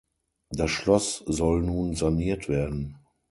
Das Schloss soll nun saniert werden.